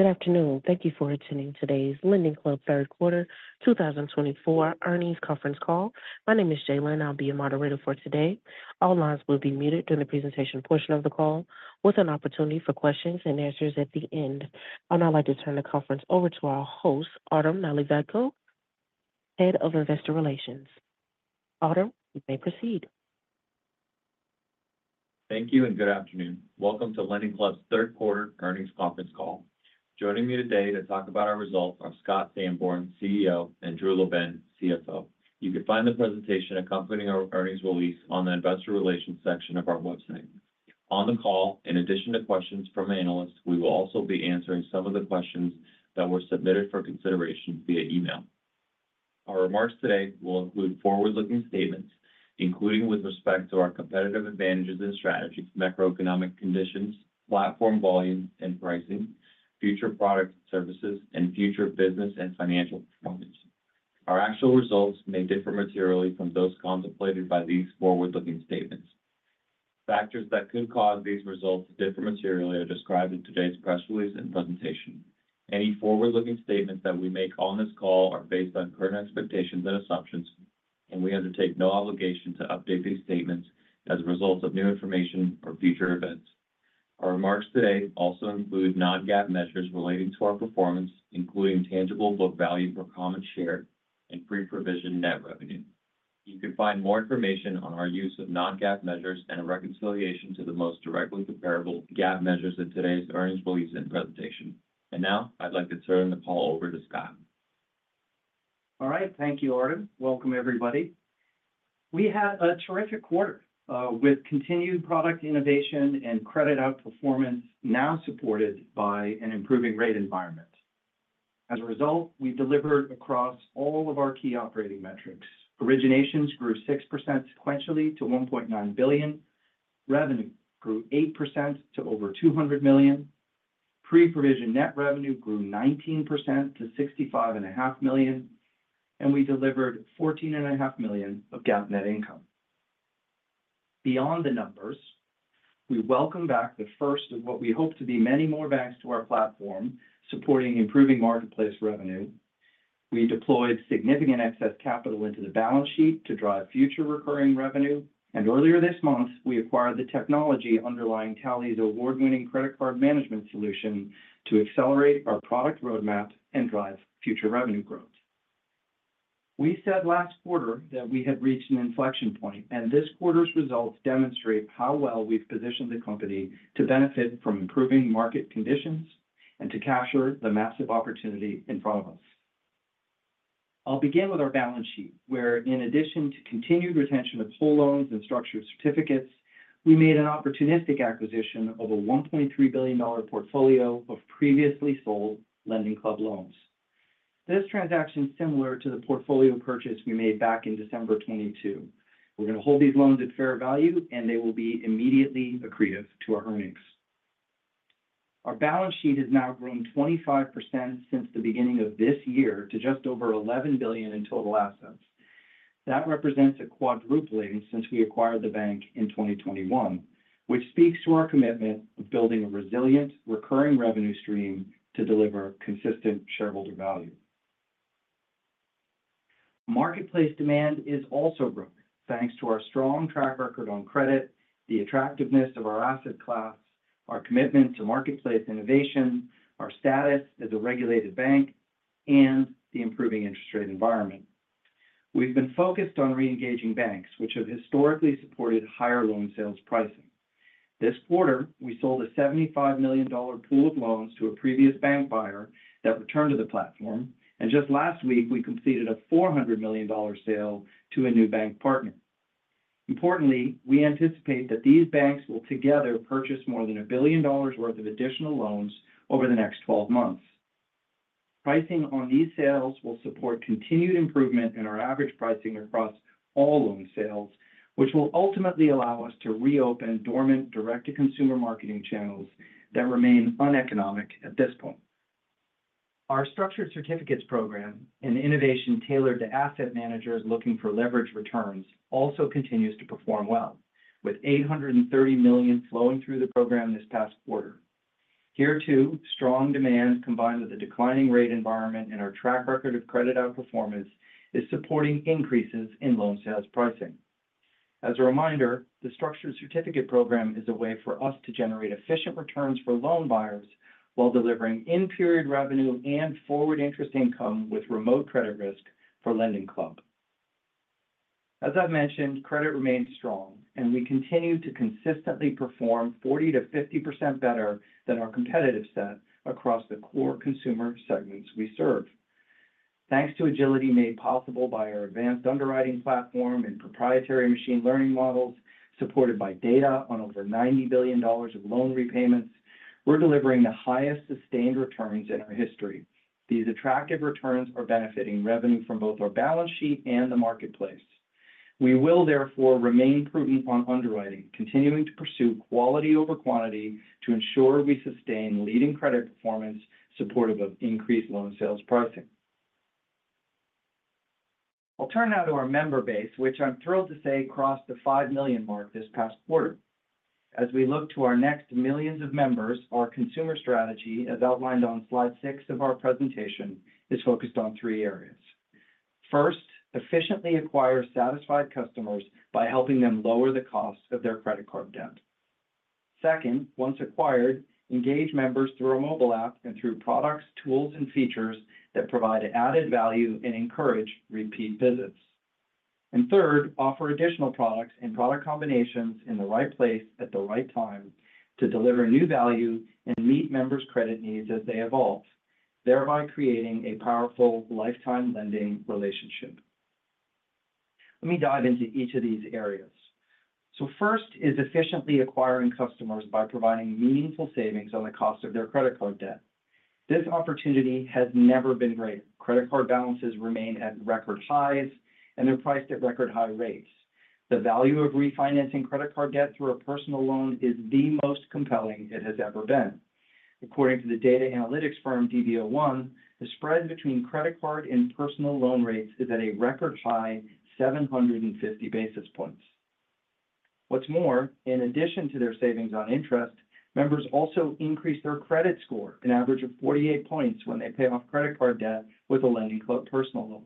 Good afternoon. Thank you for attending today's LendingClub Third Quarter 2024 Earnings Conference Call. My name is Jaylen. I'll be your moderator for today. All lines will be muted during the presentation portion of the call, with an opportunity for questions and answers at the end. I'd now like to turn the conference over to our host, Artem Nalivayko, Head of Investor Relations. Artem, you may proceed. Thank you, and good afternoon. Welcome to LendingClub's Third Quarter Earnings Conference Call. Joining me today to talk about our results are Scott Sanborn, CEO, and Drew LaBenne, CFO. You can find the presentation accompanying our earnings release on the Investor Relations section of our website. On the call, in addition to questions from analysts, we will also be answering some of the questions that were submitted for consideration via email. Our remarks today will include forward-looking statements, including with respect to our competitive advantages and strategies, macroeconomic conditions, platform volume and pricing, future products and services, and future business and financial performance. Our actual results may differ materially from those contemplated by these forward-looking statements. Factors that could cause these results to differ materially are described in today's press release and presentation. Any forward-looking statements that we make on this call are based on current expectations and assumptions, and we undertake no obligation to update these statements as a result of new information or future events. Our remarks today also include non-GAAP measures relating to our performance, including tangible book value per common share and pre-provision net revenue. You can find more information on our use of non-GAAP measures and a reconciliation to the most directly comparable GAAP measures in today's earnings release and presentation and now, I'd like to turn the call over to Scott. All right. Thank you, Artem. Welcome, everybody. We had a terrific quarter with continued product innovation and credit outperformance, now supported by an improving rate environment. As a result, we delivered across all of our key operating metrics. Originations grew 6% sequentially to $1.9 billion, revenue grew 8% to over $200 million, pre-provision net revenue grew 19% to $65.5 million, and we delivered $14.5 million of GAAP net income. Beyond the numbers, we welcome back the first of what we hope to be many more banks to our platform, supporting improving marketplace revenue. We deployed significant excess capital into the balance sheet to drive future recurring revenue, and earlier this month, we acquired the technology underlying Tally's award-winning credit card management solution to accelerate our product roadmap and drive future revenue growth. We said last quarter that we had reached an inflection point, and this quarter's results demonstrate how well we've positioned the company to benefit from improving market conditions and to capture the massive opportunity in front of us. I'll begin with our balance sheet, where in addition to continued retention of HFI loans and structured certificates, we made an opportunistic acquisition of a $1.3 billion portfolio of previously sold LendingClub loans. This transaction is similar to the portfolio purchase we made back in December of 2022. We're going to hold these loans at fair value, and they will be immediately accretive to our earnings. Our balance sheet has now grown 25% since the beginning of this year to just over $11 billion in total assets. That represents a quadrupling since we acquired the bank in 2021, which speaks to our commitment of building a resilient, recurring revenue stream to deliver consistent shareholder value. Marketplace demand is also growing, thanks to our strong track record on credit, the attractiveness of our asset class, our commitment to marketplace innovation, our status as a regulated bank, and the improving interest rate environment. We've been focused on reengaging banks, which have historically supported higher loan sales pricing. This quarter, we sold a $75 million pool of loans to a previous bank buyer that returned to the platform, and just last week, we completed a $400 million sale to a new bank partner. Importantly, we anticipate that these banks will together purchase more than $1 billion worth of additional loans over the next 12 months. Pricing on these sales will support continued improvement in our average pricing across all loan sales, which will ultimately allow us to reopen dormant direct-to-consumer marketing channels that remain uneconomic at this point. Our Structured Certificates program, an innovation tailored to asset managers looking for leveraged returns, also continues to perform well, with $830 million flowing through the program this past quarter. Here, too, strong demand, combined with a declining rate environment and our track record of credit outperformance, is supporting increases in loan sales pricing. As a reminder, the Structured Certificate program is a way for us to generate efficient returns for loan buyers while delivering in-period revenue and forward interest income with remote credit risk for LendingClub. As I've mentioned, credit remains strong, and we continue to consistently perform 40%-50% better than our competitive set across the core consumer segments we serve. Thanks to agility made possible by our advanced underwriting platform and proprietary machine learning models, supported by data on over $90 billion of loan repayments, we're delivering the highest sustained returns in our history. These attractive returns are benefiting revenue from both our balance sheet and the marketplace. We will therefore remain prudent on underwriting, continuing to pursue quality over quantity to ensure we sustain leading credit performance supportive of increased loan sales pricing. I'll turn now to our member base, which I'm thrilled to say crossed the 5 million mark this past quarter. As we look to our next millions of members, our consumer strategy, as outlined on slide six of our presentation, is focused on three areas. First, efficiently acquire satisfied customers by helping them lower the cost of their credit card debt. Second, once acquired, engage members through our mobile app and through products, tools, and features that provide added value and encourage repeat visits. Third, offer additional products and product combinations in the right place at the right time to deliver new value and meet members' credit needs as they evolve, thereby creating a powerful lifetime lending relationship. Let me dive into each of these areas. First is efficiently acquiring customers by providing meaningful savings on the cost of their credit card debt. This opportunity has never been great. Credit card balances remain at record highs, and they're priced at record high rates. The value of refinancing credit card debt through a personal loan is the most compelling it has ever been. According to the data analytics firm, dv01, the spread between credit card and personal loan rates is at a record high 750 basis points. What's more, in addition to their savings on interest, members also increase their credit score an average of 48 points when they pay off credit card debt with a LendingClub personal loan.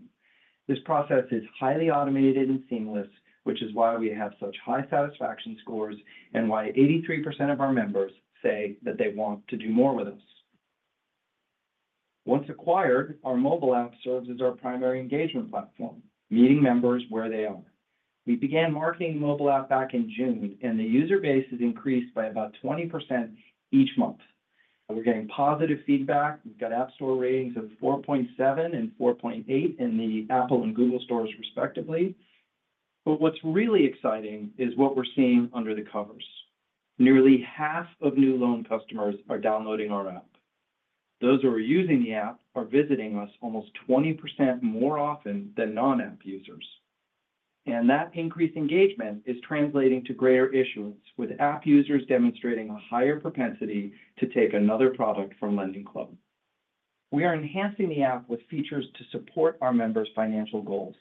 This process is highly automated and seamless, which is why we have such high satisfaction scores and why 83% of our members say that they want to do more with us. Once acquired, our mobile app serves as our primary engagement platform, meeting members where they are. We began marketing the mobile app back in June, and the user base has increased by about 20% each month. We're getting positive feedback. We've got app store ratings of 4.7 and 4.8 in the Apple and Google stores, respectively. But what's really exciting is what we're seeing under the covers. Nearly half of new loan customers are downloading our app. Those who are using the app are visiting us almost 20% more often than non-app users, and that increased engagement is translating to greater issuance, with app users demonstrating a higher propensity to take another product from LendingClub. We are enhancing the app with features to support our members' financial goals.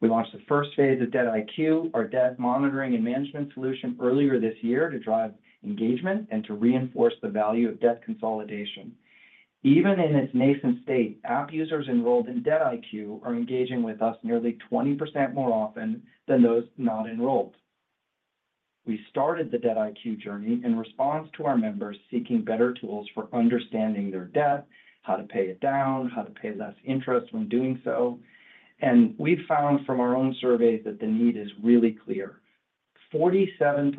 We launched the first phase of DebtIQ, our debt monitoring and management solution, earlier this year to drive engagement and to reinforce the value of debt consolidation. Even in its nascent state, app users enrolled in DebtIQ are engaging with us nearly 20% more often than those not enrolled. We started the DebtIQ journey in response to our members seeking better tools for understanding their debt, how to pay it down, how to pay less interest when doing so, and we found from our own surveys that the need is really clear. 47%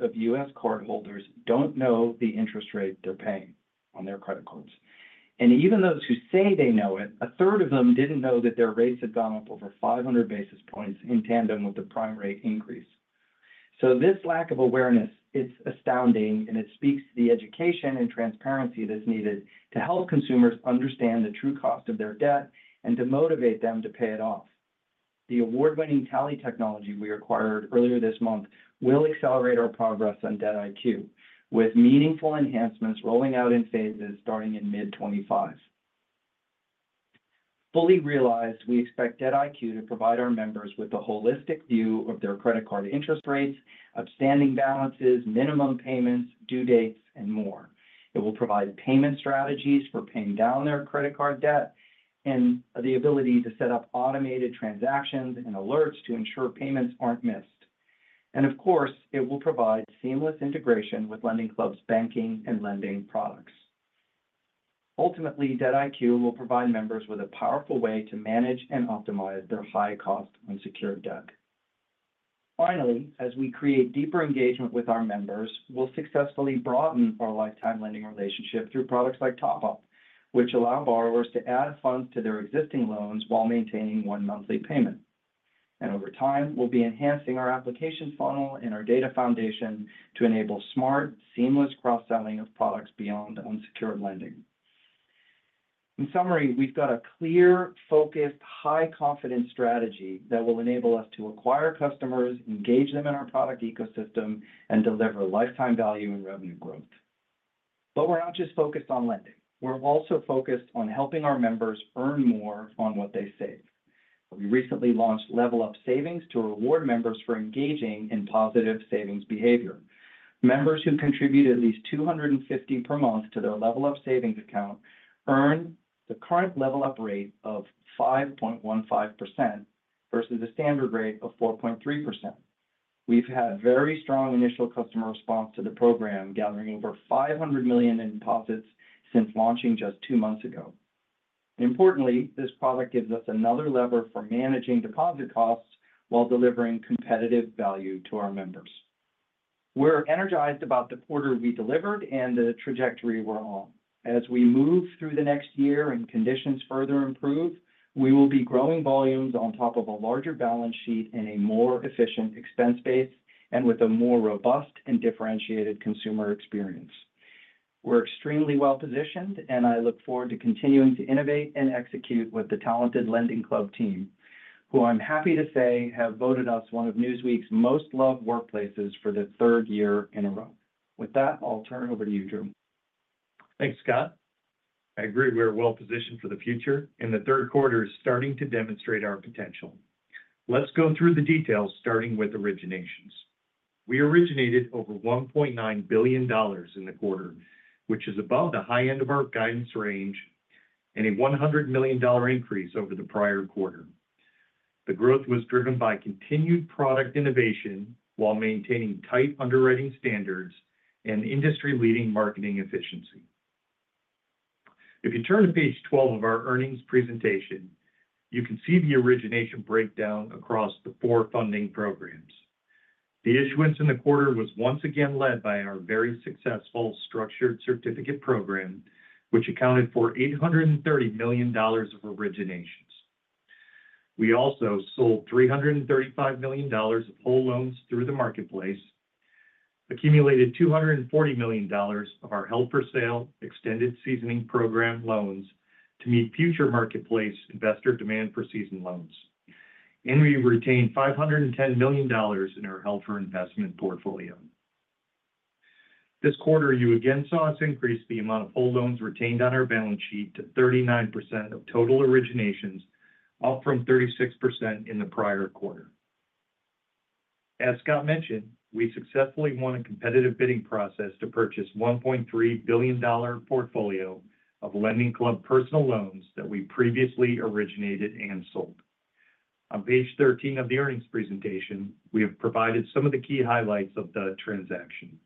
of U.S. cardholders don't know the interest rate they're paying on their credit cards. And even those who say they know it, a third of them didn't know that their rates had gone up over 500 basis points in tandem with the prime rate increase. So this lack of awareness, it's astounding, and it speaks to the education and transparency that's needed to help consumers understand the true cost of their debt and to motivate them to pay it off. The award-winning Tally technology we acquired earlier this month will accelerate our progress on DebtIQ, with meaningful enhancements rolling out in phases starting in mid-2025. Fully realized, we expect DebtIQ to provide our members with a holistic view of their credit card interest rates, outstanding balances, minimum payments, due dates, and more. It will provide payment strategies for paying down their credit card debt and the ability to set up automated transactions and alerts to ensure payments aren't missed. And of course, it will provide seamless integration with LendingClub's banking and lending products. Ultimately, DebtIQ will provide members with a powerful way to manage and optimize their high cost unsecured debt. Finally, as we create deeper engagement with our members, we'll successfully broaden our lifetime lending relationship through products like TopUp, which allow borrowers to add funds to their existing loans while maintaining one monthly payment. And over time, we'll be enhancing our application funnel and our data foundation to enable smart, seamless cross-selling of products beyond unsecured lending. In summary, we've got a clear, focused, high-confidence strategy that will enable us to acquire customers, engage them in our product ecosystem, and deliver lifetime value and revenue growth. But we're not just focused on lending. We're also focused on helping our members earn more on what they save. We recently launched LevelUp Savings to reward members for engaging in positive savings behavior. Members who contribute at least $250 per month to their LevelUp Savings account earn the current LevelUp rate of 5.15% versus a standard rate of 4.3%. We've had very strong initial customer response to the program, gathering over $500 million in deposits since launching just two months ago. Importantly, this product gives us another lever for managing deposit costs while delivering competitive value to our members. We're energized about the quarter we delivered and the trajectory we're on. As we move through the next year and conditions further improve, we will be growing volumes on top of a larger balance sheet in a more efficient expense base and with a more robust and differentiated consumer experience. We're extremely well-positioned, and I look forward to continuing to innovate and execute with the talented LendingClub team, who I'm happy to say, have voted us one of Newsweek's Most Loved Workplaces for the third year in a row. With that, I'll turn it over to you, Drew.... Thanks, Scott. I agree, we are well positioned for the future, and the third quarter is starting to demonstrate our potential. Let's go through the details, starting with originations. We originated over $1.9 billion in the quarter, which is above the high end of our guidance range and a $100 million increase over the prior quarter. The growth was driven by continued product innovation while maintaining tight underwriting standards and industry-leading marketing efficiency. If you turn to page 12 of our earnings presentation, you can see the origination breakdown across the four funding programs. The issuance in the quarter was once again led by our very successful Structured Certificate program, which accounted for $830 million of originations. We also sold $335 million of whole loans through the marketplace, accumulated $240 million of our held-for-sale extended seasoning program loans to meet future marketplace investor demand for seasoned loans, and we retained $510 million in our held-for-investment portfolio. This quarter, you again saw us increase the amount of whole loans retained on our balance sheet to 39% of total originations, up from 36% in the prior quarter. As Scott mentioned, we successfully won a competitive bidding process to purchase $1.3 billion portfolio of LendingClub personal loans that we previously originated and sold. On page 13 of the earnings presentation, we have provided some of the key highlights of the transaction.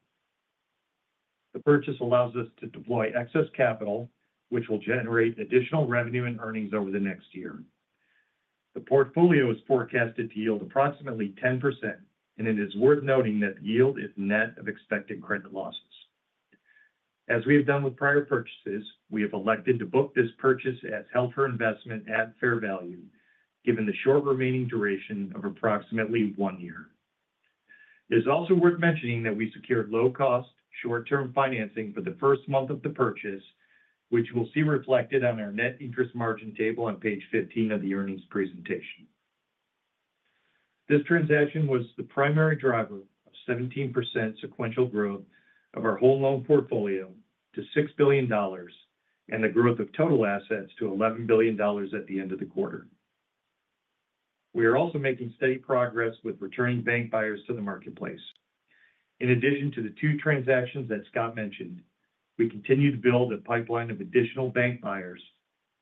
The purchase allows us to deploy excess capital, which will generate additional revenue and earnings over the next year. The portfolio is forecasted to yield approximately 10%, and it is worth noting that yield is net of expected credit losses. As we have done with prior purchases, we have elected to book this purchase as held-for-investment at fair value, given the short remaining duration of approximately one year. It is also worth mentioning that we secured low-cost, short-term financing for the first month of the purchase, which we'll see reflected on our net interest margin table on page 15 of the earnings presentation. This transaction was the primary driver of 17% sequential growth of our whole loan portfolio to $6 billion and the growth of total assets to $11 billion at the end of the quarter. We are also making steady progress with returning bank buyers to the marketplace. In addition to the two transactions that Scott mentioned, we continue to build a pipeline of additional bank buyers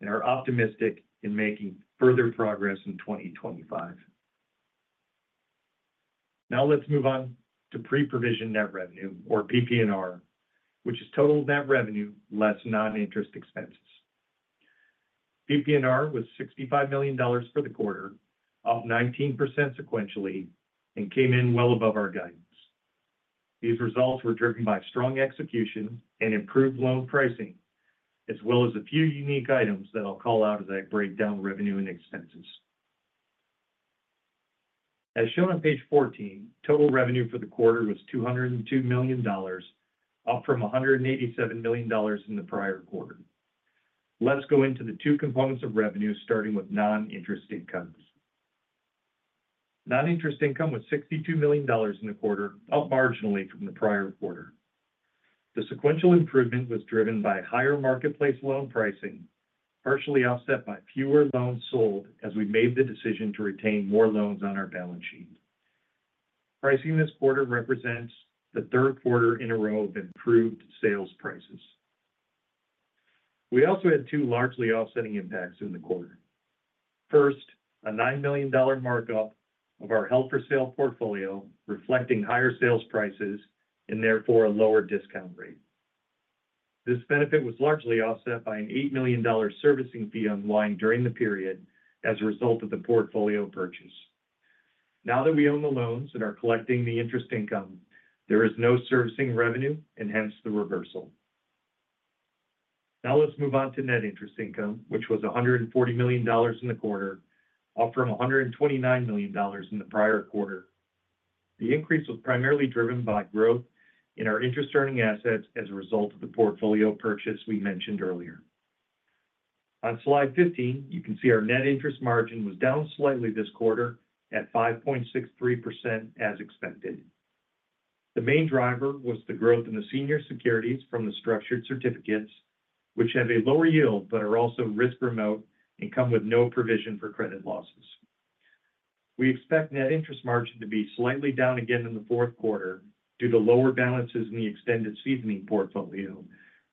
and are optimistic in making further progress in 2025. Now let's move on to pre-provision net revenue, or PPNR, which is total net revenue, less non-interest expenses. PPNR was $65 million for the quarter, up 19% sequentially and came in well above our guidance. These results were driven by strong execution and improved loan pricing, as well as a few unique items that I'll call out as I break down revenue and expenses. As shown on page 14, total revenue for the quarter was $202 million, up from $187 million in the prior quarter. Let us go into the two components of revenue, starting with non-interest incomes. Non-interest income was $62 million in the quarter, up marginally from the prior quarter. The sequential improvement was driven by higher marketplace loan pricing, partially offset by fewer loans sold, as we made the decision to retain more loans on our balance sheet. Pricing this quarter represents the third quarter in a row of improved sales prices. We also had two largely offsetting impacts in the quarter. First, a $9 million markup of our held-for-sale portfolio, reflecting higher sales prices and therefore a lower discount rate. This benefit was largely offset by an $8 million servicing fee unwind during the period as a result of the portfolio purchase. Now that we own the loans and are collecting the interest income, there is no servicing revenue and hence the reversal. Now let's move on to net interest income, which was $140 million in the quarter, up from $129 million in the prior quarter. The increase was primarily driven by growth in our interest-earning assets as a result of the portfolio purchase we mentioned earlier. On slide 15, you can see our net interest margin was down slightly this quarter at 5.63%, as expected. The main driver was the growth in the senior securities from the Structured Certificates, which have a lower yield but are also risk-remote and come with no provision for credit losses. We expect net interest margin to be slightly down again in the fourth quarter due to lower balances in the extended seasoning portfolio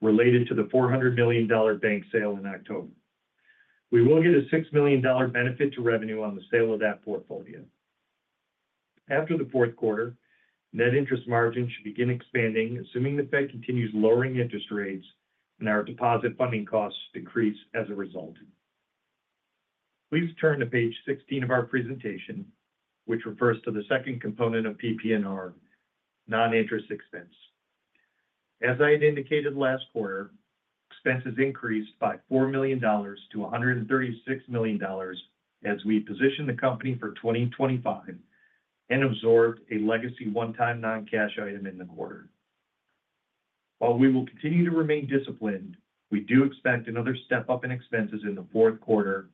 related to the $400 million bank sale in October. We will get a $6 million benefit to revenue on the sale of that portfolio. After the fourth quarter, net interest margin should begin expanding, assuming the Fed continues lowering interest rates and our deposit funding costs decrease as a result. Please turn to page 16 of our presentation, which refers to the second component of PPNR, non-interest expense. As I had indicated last quarter, expenses increased by $4 million to $136 million as we position the company for 2025 and absorbed a legacy one-time non-cash item in the quarter. While we will continue to remain disciplined-... We do expect another step-up in expenses in the fourth quarter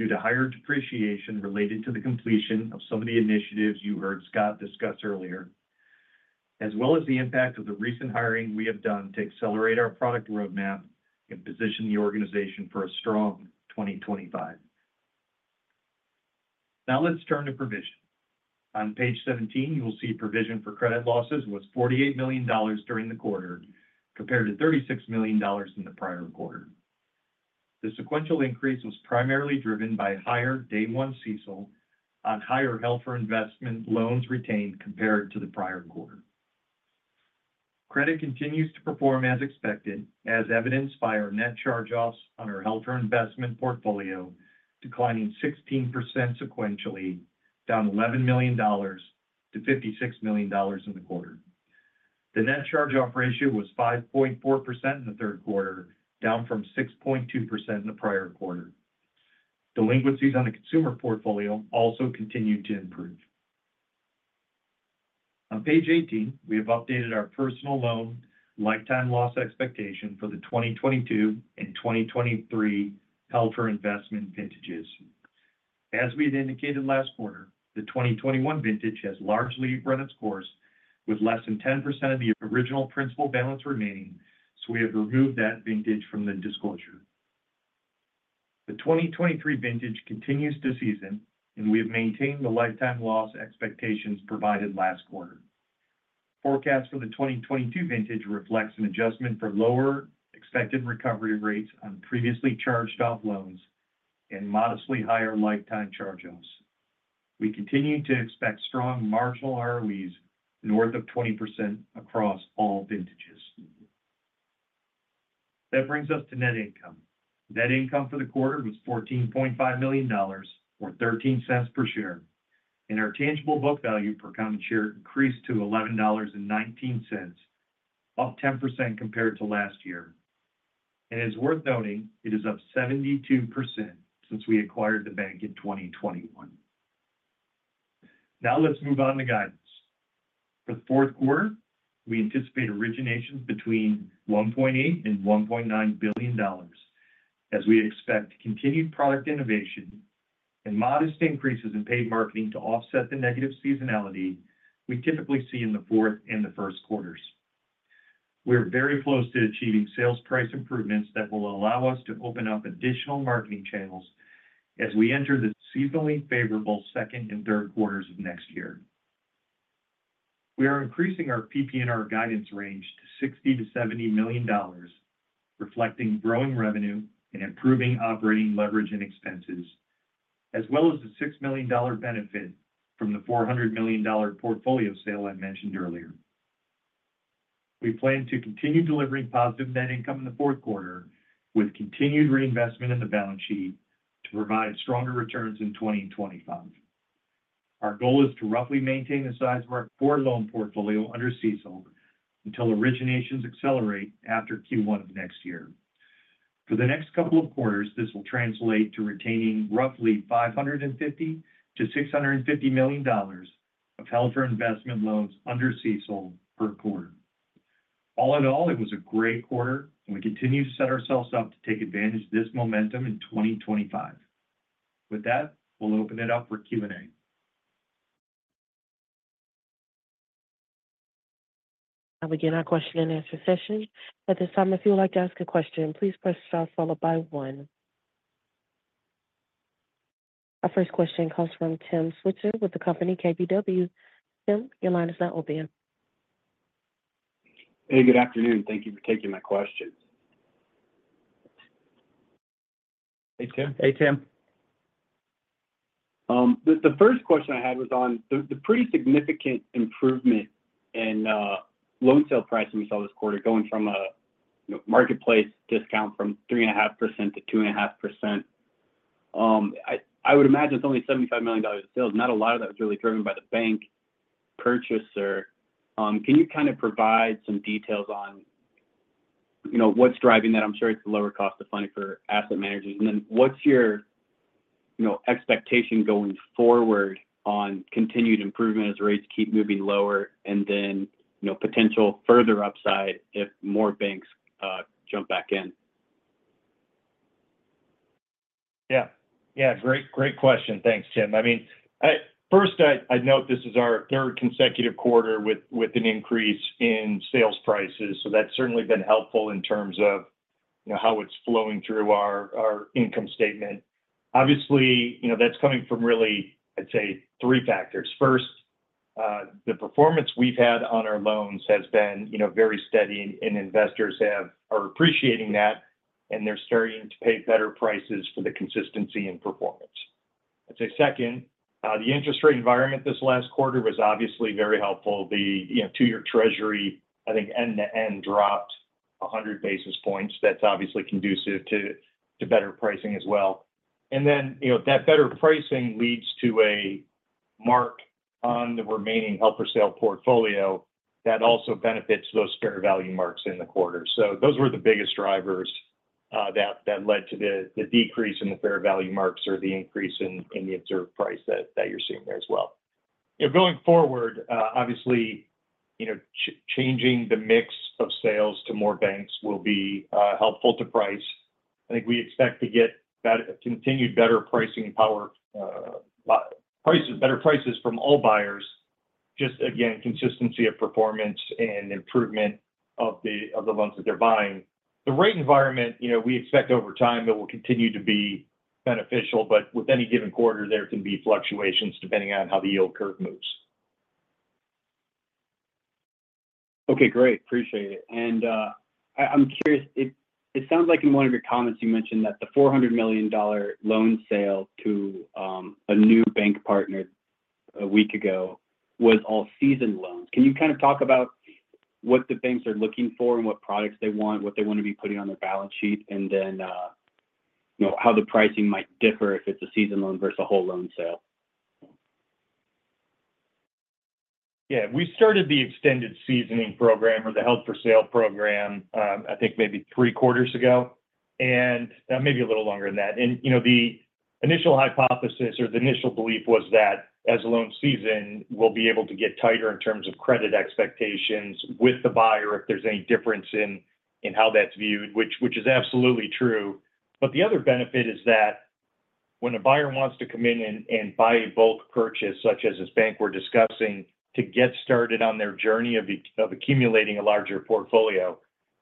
due to higher depreciation related to the completion of some of the initiatives you heard Scott discuss earlier, as well as the impact of the recent hiring we have done to accelerate our product roadmap and position the organization for a strong 2025. Now, let's turn to provision. On page 17, you will see provision for credit losses was $48 million during the quarter, compared to $36 million in the prior quarter. The sequential increase was primarily driven by higher day one CECL on higher held-for-investment loans retained compared to the prior quarter. Credit continues to perform as expected, as evidenced by our net charge-offs on our held-for-investment portfolio, declining 16% sequentially, down $11 million to $56 million in the quarter. The net charge-off ratio was 5.4% in the third quarter, down from 6.2% in the prior quarter. Delinquencies on the consumer portfolio also continued to improve. On page 18, we have updated our personal loan lifetime loss expectation for the 2022 and 2023 held-for-investment vintages. As we had indicated last quarter, the 2021 vintage has largely run its course, with less than 10% of the original principal balance remaining, so we have removed that vintage from the disclosure. The 2023 vintage continues to season, and we have maintained the lifetime loss expectations provided last quarter. Forecast for the 2022 vintage reflects an adjustment for lower expected recovery rates on previously charged-off loans and modestly higher lifetime charge-offs. We continue to expect strong marginal ROEs north of 20% across all vintages. That brings us to net income. Net income for the quarter was $14.5 million, or $0.13 per share, and our tangible book value per common share increased to $11.19, up 10% compared to last year. It's worth noting, it is up 72% since we acquired the bank in 2021. Now, let's move on to guidance. For the fourth quarter, we anticipate originations between $1.8 billion and $1.9 billion, as we expect continued product innovation and modest increases in paid marketing to offset the negative seasonality we typically see in the fourth and the first quarters. We are very close to achieving sales price improvements that will allow us to open up additional marketing channels as we enter the seasonally favorable second and third quarters of next year. We are increasing our PPNR guidance range to $60 million-$70 million, reflecting growing revenue and improving operating leverage and expenses, as well as the $6 million benefit from the $400 million portfolio sale I mentioned earlier. We plan to continue delivering positive net income in the fourth quarter, with continued reinvestment in the balance sheet to provide stronger returns in 2025. Our goal is to roughly maintain the size of our core loan portfolio under CECL until originations accelerate after Q1 of next year. For the next couple of quarters, this will translate to retaining roughly $550 million-$650 million of held-for-investment loans under CECL per quarter. All in all, it was a great quarter, and we continue to set ourselves up to take advantage of this momentum in 2025. With that, we'll open it up for Q&A. Now begin our question and answer session. At this time, if you would like to ask a question, please press star followed by one. Our first question comes from Tim Switzer with the company KBW. Tim, your line is now open. Hey, good afternoon. Thank you for taking my questions. Hey, Tim. Hey, Tim. The first question I had was on the pretty significant improvement in loan sale pricing we saw this quarter, going from a, you know, marketplace discount from 3.5% to 2.5%. I would imagine it's only $75 million of sales. Not a lot of that was really driven by the bank purchaser. Can you kind of provide some details on, you know, what's driving that? I'm sure it's the lower cost of funding for asset managers. And then what's your, you know, expectation going forward on continued improvement as rates keep moving lower, and then, you know, potential further upside if more banks jump back in? Yeah. Yeah, great, great question. Thanks, Tim. I mean, first, I'd note this is our third consecutive quarter with an increase in sales prices, so that's certainly been helpful in terms of, you know, how it's flowing through our income statement. Obviously, you know, that's coming from really, I'd say, three factors. First, the performance we've had on our loans has been, you know, very steady, and investors are appreciating that, and they're starting to pay better prices for the consistency and performance. I'd say second, the interest rate environment this last quarter was obviously very helpful. The, you know, two-year treasury, I think, end-to-end dropped 100 basis points. That's obviously conducive to better pricing as well. And then, you know, that better pricing leads to a mark on the remaining held-for-sale portfolio that also benefits those fair value marks in the quarter. So those were the biggest drivers that led to the decrease in the fair value marks or the increase in the observed price that you're seeing there as well.... Yeah, going forward, obviously, you know, changing the mix of sales to more banks will be helpful to price. I think we expect to get continued better pricing power, prices, better prices from all buyers. Just again, consistency of performance and improvement of the loans that they're buying. The rate environment, you know, we expect over time that will continue to be beneficial, but with any given quarter, there can be fluctuations depending on how the yield curve moves. Okay, great. Appreciate it. And, I'm curious, it sounds like in one of your comments, you mentioned that the $400 million loan sale to a new bank partner a week ago was all seasoned loans. Can you kind of talk about what the banks are looking for and what products they want, what they want to be putting on their balance sheet, and then, you know, how the pricing might differ if it's a seasoned loan versus a whole loan sale? Yeah. We started the extended seasoning program or the held-for-sale program, I think maybe three quarters ago, and maybe a little longer than that. And, you know, the initial hypothesis or the initial belief was that as a loan season, we'll be able to get tighter in terms of credit expectations with the buyer, if there's any difference in, in how that's viewed, which, which is absolutely true. But the other benefit is that when a buyer wants to come in and, and buy a bulk purchase, such as this bank we're discussing, to get started on their journey of accumulating a larger portfolio,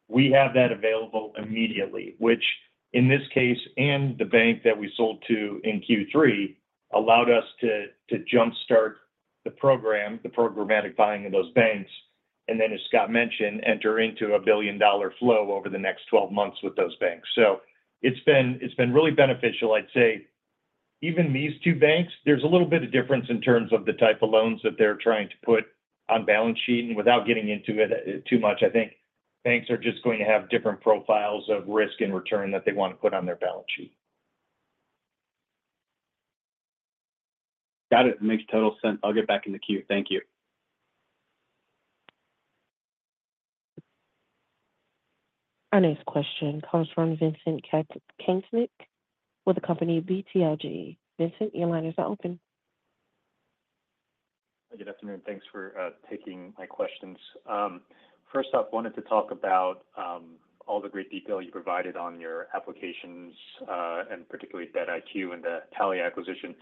we have that available immediately, which in this case, and the bank that we sold to in Q3, allowed us to, to jump-start the program, the programmatic buying of those banks. And then, as Scott mentioned, enter into a $1 billion flow over the next 12 months with those banks. So it's been, it's been really beneficial. I'd say even these two banks, there's a little bit of difference in terms of the type of loans that they're trying to put on balance sheet. And without getting into it, too much, I think banks are just going to have different profiles of risk and return that they want to put on their balance sheet. Got it. Makes total sense. I'll get back in the queue. Thank you. Our next question comes from Vincent Caintic with the company BTIG. Vincent, your line is open. Good afternoon. Thanks for taking my questions. First off, wanted to talk about all the great detail you provided on your applications and particularly DebtIQ and the Tally acquisition.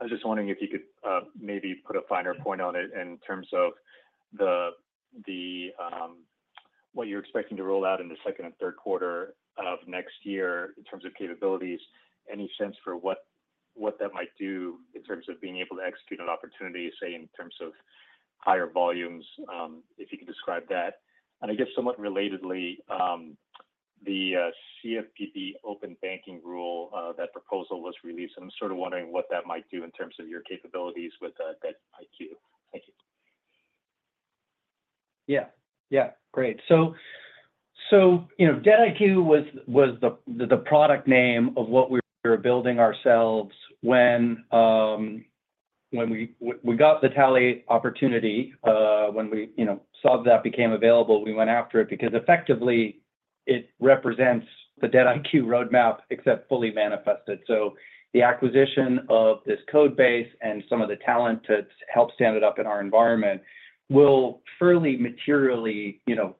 I was just wondering if you could maybe put a finer point on it in terms of what you're expecting to roll out in the second and third quarter of next year in terms of capabilities. Any sense for what that might do in terms of being able to execute on opportunities, say, in terms of higher volumes? If you could describe that. And I guess somewhat relatedly, the CFPB Open Banking Rule that proposal was released, and I'm sort of wondering what that might do in terms of your capabilities with DebtIQ. Thank you. Yeah. Yeah. Great. So, you know, DebtIQ was the product name of what we were building ourselves when we got the Tally opportunity, when we, you know, saw that became available, we went after it because effectively it represents the DebtIQ roadmap, except fully manifested. So the acquisition of this code base and some of the talent to help stand it up in our environment will fairly materially, you know,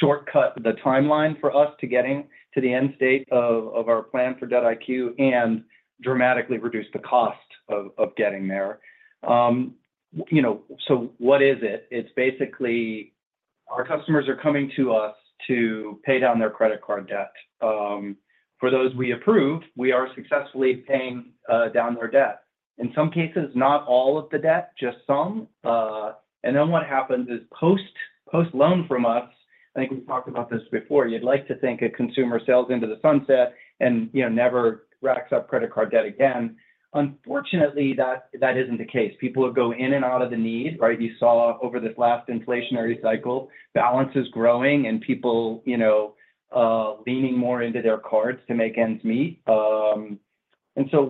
shortcut the timeline for us to getting to the end state of our plan for DebtIQ and dramatically reduce the cost of getting there. You know, so what is it? It's basically our customers are coming to us to pay down their credit card debt. For those we approved, we are successfully paying down their debt. In some cases, not all of the debt, just some. And then what happens is post loan from us. I think we've talked about this before. You'd like to think a consumer sails into the sunset and, you know, never racks up credit card debt again. Unfortunately, that isn't the case. People will go in and out of the need, right? You saw over this last inflationary cycle, balances growing and people, you know, leaning more into their cards to make ends meet. And so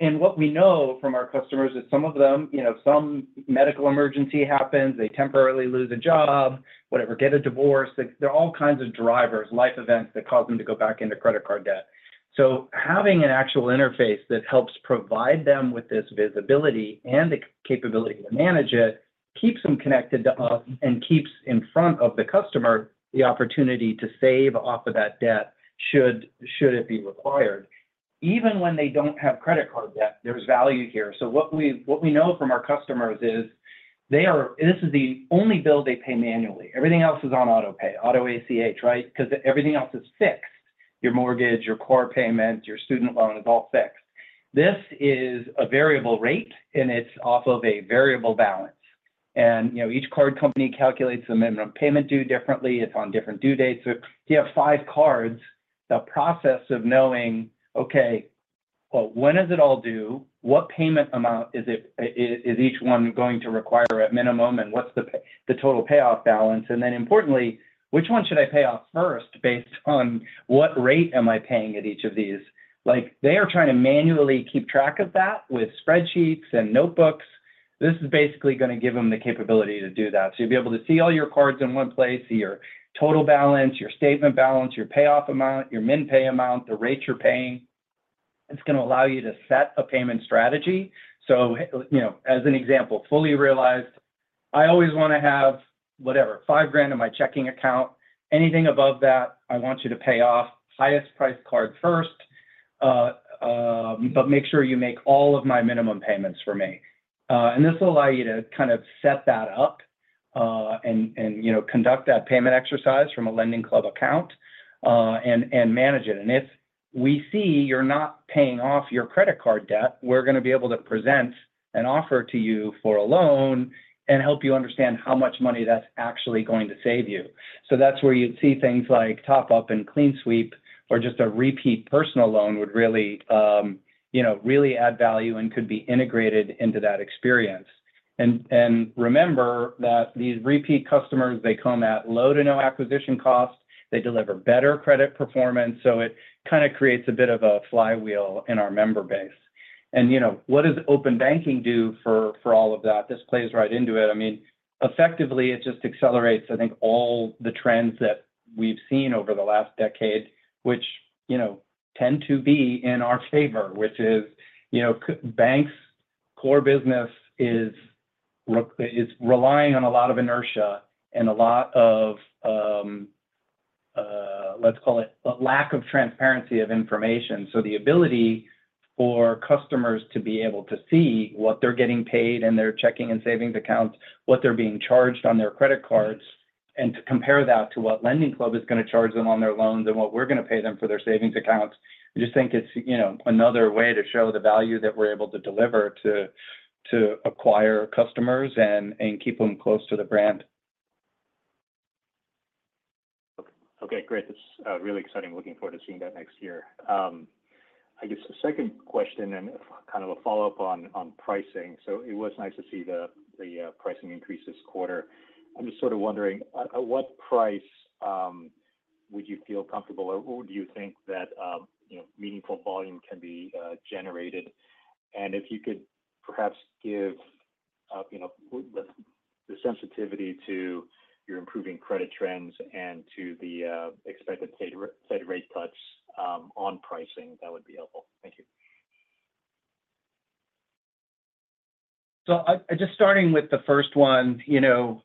what we know from our customers is some of them, you know, some medical emergency happens, they temporarily lose a job, whatever, get a divorce. There are all kinds of drivers, life events that cause them to go back into credit card debt. Having an actual interface that helps provide them with this visibility and the capability to manage it keeps them connected to us, and keeps in front of the customer the opportunity to save off of that debt, should it be required. Even when they don't have credit card debt, there's value here. What we know from our customers is they are this is the only bill they pay manually. Everything else is on auto pay. Auto ACH, right? Because everything else is fixed. Your mortgage, your car payments, your student loan is all fixed. This is a variable rate, and it's off of a variable balance. You know, each card company calculates the minimum payment due differently. It's on different due dates. So if you have five cards, the process of knowing, okay, well, when is it all due? What payment amount is each one going to require at minimum, and what's the total payoff balance? And then importantly, which one should I pay off first, based on what rate am I paying at each of these? Like, they are trying to manually keep track of that with spreadsheets and notebooks. This is basically going to give them the capability to do that. So you'll be able to see all your cards in one place, see your total balance, your statement balance, your payoff amount, your min pay amount, the rate you're paying.... It's going to allow you to set a payment strategy. So, you know, as an example, fully realized, I always want to have, whatever, $5,000 in my checking account. Anything above that, I want you to pay off highest price card first, but make sure you make all of my minimum payments for me. And this will allow you to kind of set that up, and you know, conduct that payment exercise from a LendingClub account, and manage it. And if we see you're not paying off your credit card debt, we're going to be able to present an offer to you for a loan and help you understand how much money that's actually going to save you. So that's where you'd see things like TopUp and CleanSweep, or just a repeat personal loan would really, you know, really add value and could be integrated into that experience. And remember that these repeat customers, they come at low to no acquisition costs. They deliver better credit performance, so it kind of creates a bit of a flywheel in our member base. And, you know, what does open banking do for all of that? This plays right into it. I mean, effectively, it just accelerates, I think, all the trends that we've seen over the last decade, which, you know, tend to be in our favor, which is, you know, banks' core business is relying on a lot of inertia and a lot of, let's call it a lack of transparency of information. So the ability for customers to be able to see what they're getting paid in their checking and savings accounts, what they're being charged on their credit cards, and to compare that to what LendingClub is going to charge them on their loans and what we're going to pay them for their savings accounts. I just think it's, you know, another way to show the value that we're able to deliver to, to acquire customers and, and keep them close to the brand. Okay, great. This is really exciting. Looking forward to seeing that next year. I guess the second question and kind of a follow-up on pricing. So it was nice to see the pricing increase this quarter. I'm just sort of wondering, at what price would you feel comfortable, or what would you think that you know, meaningful volume can be generated? And if you could perhaps give you know, the sensitivity to your improving credit trends and to the expected Fed rate cuts on pricing, that would be helpful. Thank you. So, I'm just starting with the first one, you know.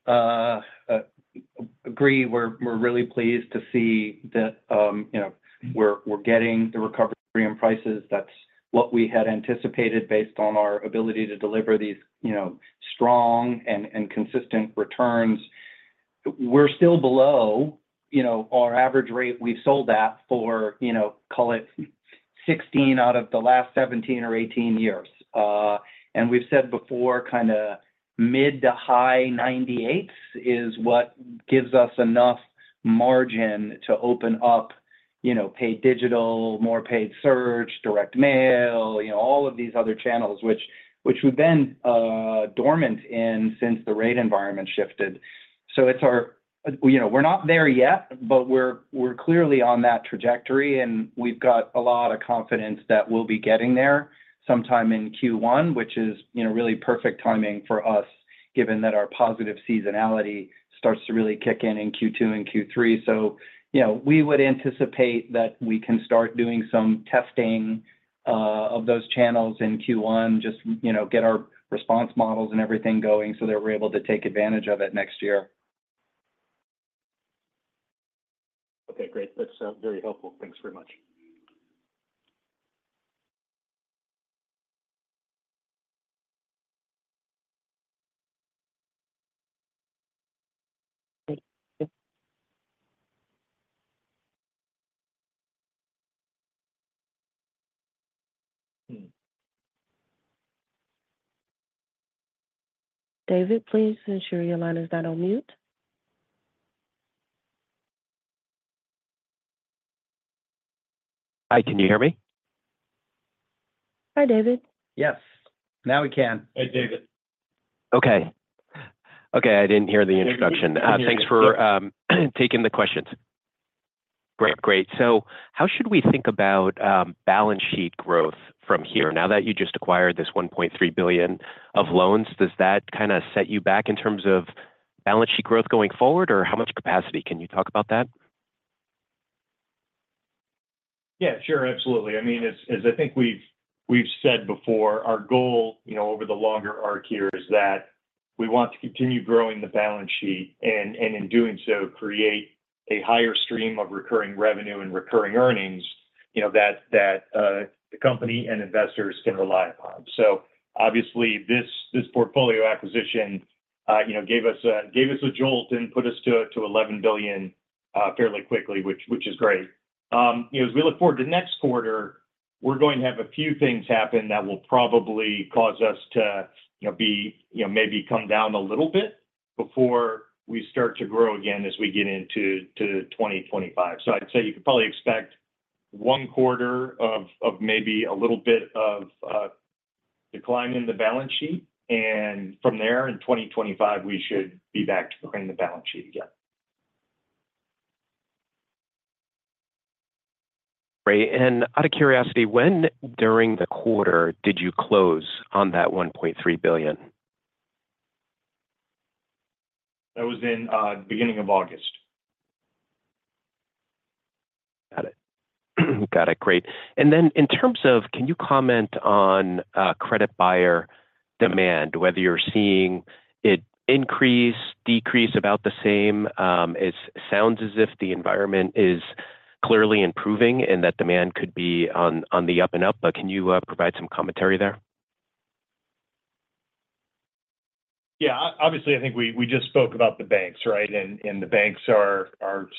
We agree; we're really pleased to see that, you know, we're getting the recovery in prices. That's what we had anticipated based on our ability to deliver these, you know, strong and consistent returns. We're still below, you know, our average rate. We've sold that for, you know, call it 16 out of the last 17 or 18 years. And we've said before, kind of mid- to high 98s% is what gives us enough margin to open up, you know, paid digital, more paid search, direct mail, you know, all of these other channels, which we've been dormant in since the rate environment shifted. So it's our... You know, we're not there yet, but we're clearly on that trajectory, and we've got a lot of confidence that we'll be getting there sometime in Q1, which is, you know, really perfect timing for us, given that our positive seasonality starts to really kick in in Q2 and Q3. So, you know, we would anticipate that we can start doing some testing of those channels in Q1, just, you know, get our response models and everything going so that we're able to take advantage of it next year. Okay, great. That's very helpful. Thanks very much. David, please ensure your line is not on mute. Hi, can you hear me? Hi, David. Yes, now we can. Hi, David. Okay. Okay, I didn't hear the introduction. Thanks for taking the questions. Great, great. So how should we think about balance sheet growth from here? Now that you just acquired this $1.3 billion of loans, does that kind of set you back in terms of balance sheet growth going forward, or how much capacity? Can you talk about that? Yeah, sure. Absolutely. I mean, as I think we've said before, our goal, you know, over the longer arc here is that we want to continue growing the balance sheet, and in doing so, create a higher stream of recurring revenue and recurring earnings, you know, that the company and investors can rely upon. So obviously, this portfolio acquisition, you know, gave us a jolt and put us to $11 billion fairly quickly, which is great. You know, as we look forward to next quarter, we're going to have a few things happen that will probably cause us to, you know, be, you know, maybe come down a little bit before we start to grow again as we get into 2025. So I'd say you could probably expect one quarter of maybe a little bit of decline in the balance sheet, and from there, in 2025, we should be back to growing the balance sheet again. Great. And out of curiosity, when during the quarter did you close on that $1.3 billion?... That was in beginning of August. Got it. Got it. Great. And then in terms of, can you comment on credit buyer demand, whether you're seeing it increase, decrease, about the same? It sounds as if the environment is clearly improving and that demand could be on the up and up, but can you provide some commentary there? Yeah. Obviously, I think we just spoke about the banks, right? And the banks are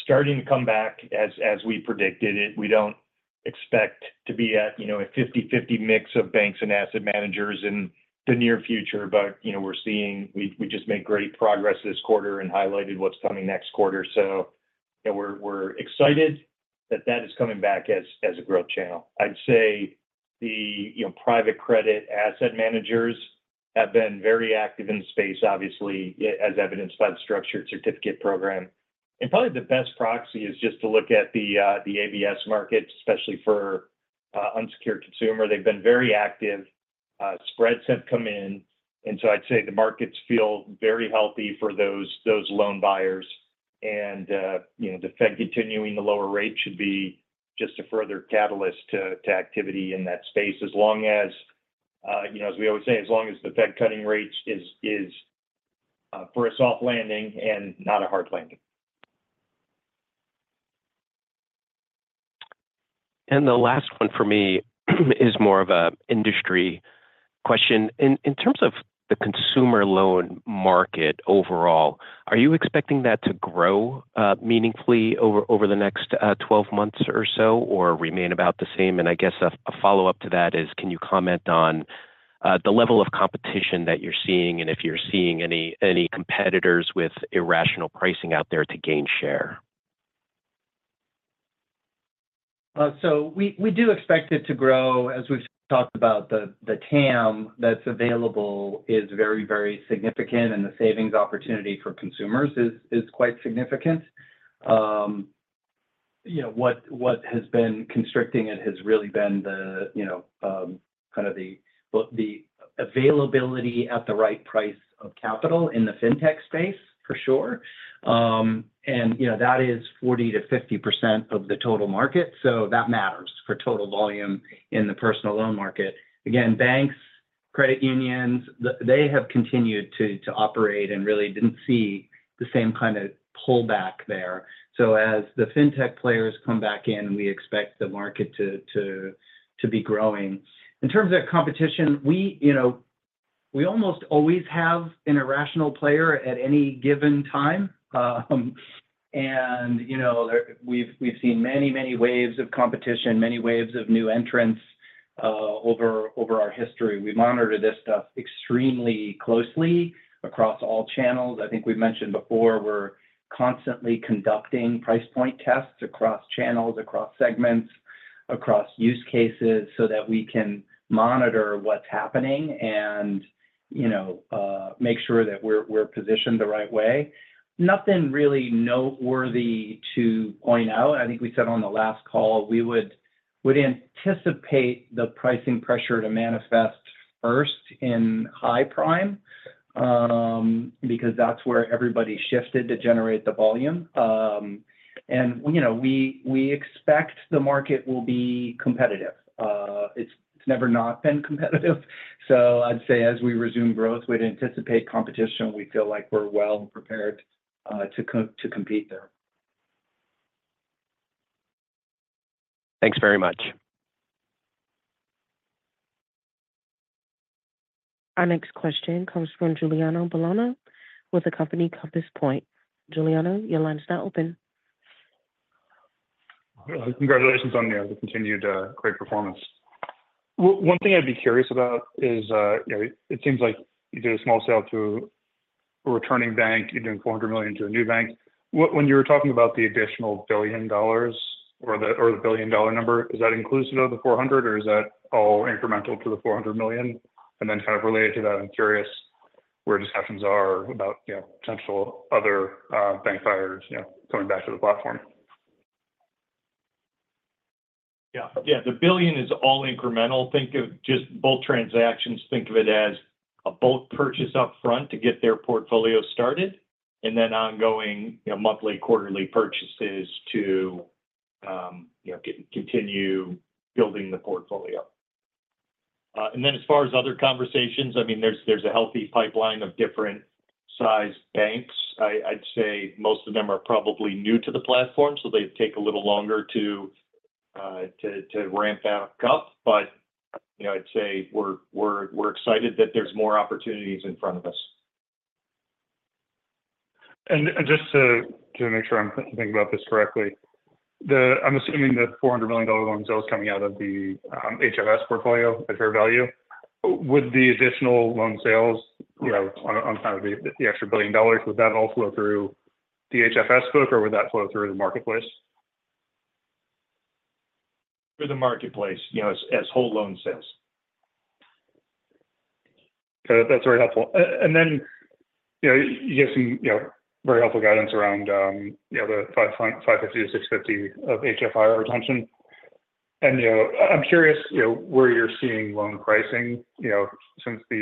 starting to come back as we predicted. We don't expect to be at, you know, a 50/50 mix of banks and asset managers in the near future. But, you know, we're seeing we just made great progress this quarter and highlighted what's coming next quarter. So and we're excited that that is coming back as a growth channel. I'd say the, you know, private credit asset managers have been very active in the space, obviously, as evidenced by the Structured Certificate program. And probably the best proxy is just to look at the ABS market, especially for unsecured consumer. They've been very active, spreads have come in, and so I'd say the markets feel very healthy for those loan buyers. You know, the Fed continuing the lower rate should be just a further catalyst to activity in that space as long as, you know, as we always say, as long as the Fed cutting rates is for a soft landing and not a hard landing. And the last one for me is more of an industry question. In terms of the consumer loan market overall, are you expecting that to grow meaningfully over the next 12 months or so, or remain about the same? And I guess a follow-up to that is: Can you comment on the level of competition that you're seeing, and if you're seeing any competitors with irrational pricing out there to gain share? So we do expect it to grow. As we've talked about, the TAM that's available is very, very significant, and the savings opportunity for consumers is quite significant. You know, what has been constricting it has really been the, you know, kind of the, well, the availability at the right price of capital in the fintech space, for sure, and you know, that is 40%-50% of the total market, so that matters for total volume in the personal loan market. Again, banks, credit unions, they have continued to operate and really didn't see the same kind of pullback there, so as the fintech players come back in, we expect the market to be growing. In terms of competition, you know, we almost always have an irrational player at any given time. And, you know, there we've seen many, many waves of competition, many waves of new entrants over our history. We monitor this stuff extremely closely across all channels. I think we've mentioned before, we're constantly conducting price point tests across channels, across segments, across use cases, so that we can monitor what's happening and, you know, make sure that we're positioned the right way. Nothing really noteworthy to point out. I think we said on the last call, we would anticipate the pricing pressure to manifest first in high prime, because that's where everybody shifted to generate the volume. You know, we expect the market will be competitive. It's never not been competitive. So I'd say as we resume growth, we'd anticipate competition. We feel like we're well prepared to compete there. Thanks very much. Our next question comes from Giuliano Bologna with the company Compass Point. Giuliano, your line is now open. Congratulations on the continued great performance. One thing I'd be curious about is, you know, it seems like you did a small sale to a returning bank. You're doing $400 million to a new bank. What? When you were talking about the additional billion dollars or the billion-dollar number, is that inclusive of the $400 million, or is that all incremental to the $400 million? And then kind of related to that, I'm curious where discussions are about, you know, potential other bank buyers, you know, coming back to the platform. Yeah. Yeah, the billion is all incremental. Think of just both transactions. Think of it as a bulk purchase up front to get their portfolio started, and then ongoing, you know, monthly, quarterly purchases to, you know, continue building the portfolio. And then as far as other conversations, I mean, there's a healthy pipeline of different size banks. I'd say most of them are probably new to the platform, so they take a little longer to ramp back up. But, you know, I'd say we're excited that there's more opportunities in front of us. Just to make sure I'm thinking about this correctly, I'm assuming the $400 million loan sale is coming out of the HFS portfolio at fair value. Would the additional loan sales, you know, on kind of the extra billion dollars, would that all flow through the HFS book, or would that flow through the marketplace? Through the marketplace, you know, as whole loan sales. Okay, that's very helpful. And then, you know, you gave some, you know, very helpful guidance around, you know, the $550 million-$650 million of HFI retention. And, you know, I'm curious, you know, where you're seeing loan pricing, you know, since the,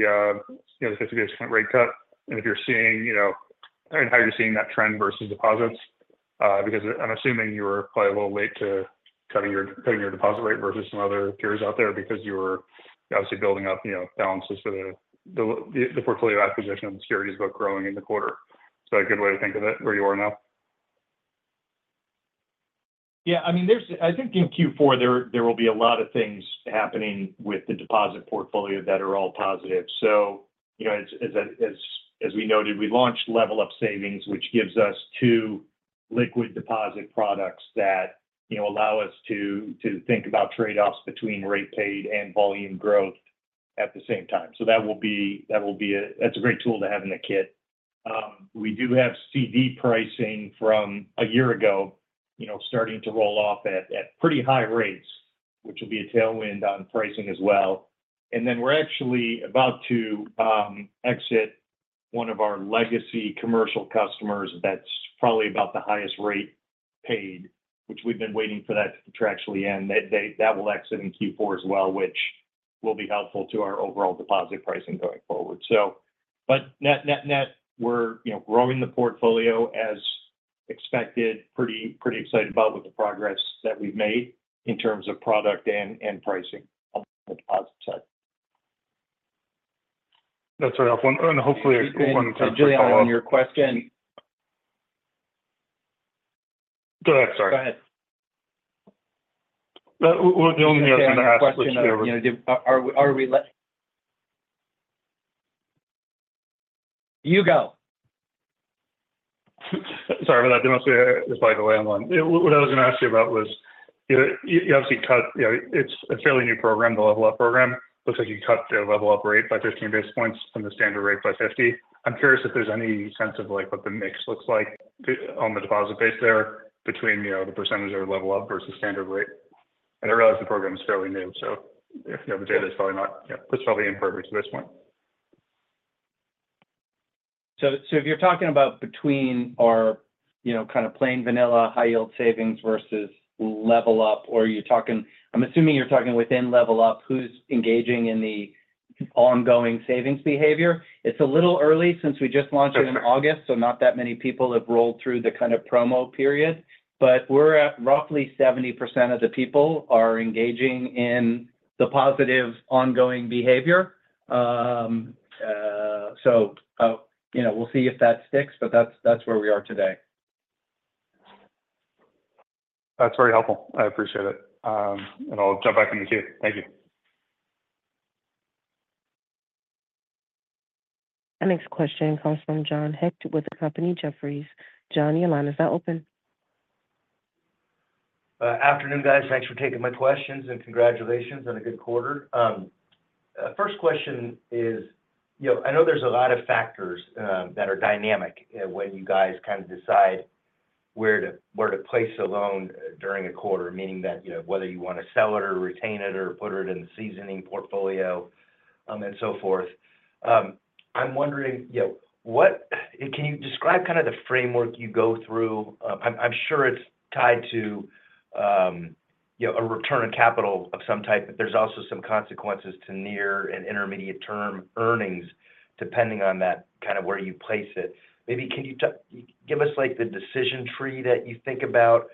you know, 50 basis point rate cut, and if you're seeing, you know, I mean, how you're seeing that trend versus deposits. Because I'm assuming you were probably a little late to cutting your deposit rate versus some other peers out there because you were obviously building up, you know, balances. So the portfolio acquisition and securities book growing in the quarter. Is that a good way to think of it, where you are now? Yeah. I mean, there's I think in Q4 there will be a lot of things happening with the deposit portfolio that are all positive. So you know, as we noted, we launched LevelUp Savings, which gives us two liquid deposit products that, you know, allow us to think about trade-offs between rate paid and volume growth at the same time. So that will be. That's a great tool to have in the kit. We do have CD pricing from a year ago, you know, starting to roll off at pretty high rates, which will be a tailwind on pricing as well. And then we're actually about to exit one of our legacy commercial customers that's probably about the highest rate paid, which we've been waiting for that to contractually end. That will exit in Q4 as well, which will be helpful to our overall deposit pricing going forward. So but net, we're, you know, growing the portfolio as expected. Pretty excited about with the progress that we've made in terms of product and pricing on the deposit side. That's very helpful, and hopefully a good one to follow up- Giuliano, on your question. Go ahead, sorry. Go ahead. The only other thing I asked- You know, are we. You go. Sorry about that. There must be just by the way I'm on. What I was going to ask you about was, you know, you obviously cut... You know, it's a fairly new program, the LevelUp program. Looks like you cut the LevelUp rate by 15 basis points from the standard rate by 50%. I'm curious if there's any sense of, like, what the mix looks like on the deposit base there between, you know, the percentage of LevelUp versus standard rate. And I realize the program is fairly new, so if, you know, the data is probably not, yeah, it's probably imperfect to this one. So if you're talking about between our, you know, kind of plain vanilla, high yield savings versus LevelUp, or you're talking. I'm assuming you're talking within LevelUp, who's engaging in the ongoing savings behavior. It's a little early since we just launched it in August, so not that many people have rolled through the kind of promo period. But we're at roughly 70% of the people are engaging in the positive ongoing behavior. You know, we'll see if that sticks, but that's where we are today. That's very helpful. I appreciate it, and I'll jump back in the queue. Thank you. Our next question comes from John Hecht with the company Jefferies. John, your line is now open. Afternoon, guys. Thanks for taking my questions, and congratulations on a good quarter. First question is, you know, I know there's a lot of factors that are dynamic when you guys kind of decide where to place a loan during a quarter, meaning that, you know, whether you want to sell it or retain it or put it in the seasoning portfolio, and so forth. I'm wondering, you know, can you describe kind of the framework you go through? I'm sure it's tied to, you know, a return on capital of some type, but there's also some consequences to near and intermediate term earnings, depending on that, kind of where you place it. Maybe can you give us, like, the decision tree that you think about,